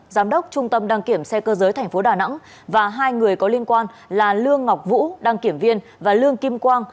giám đốc trung tâm đăng kiểm xe cơ giới tp đà nẵng và hai người có liên quan là lương ngọc vũ đăng kiểm viên và lương kim quang